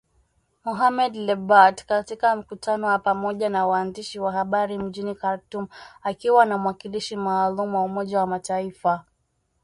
Mohamed Lebatt katika mkutano wa pamoja na waandishi wa habari mjini Khartoum akiwa na mwakilishi maalum wa umoja wa Mataifa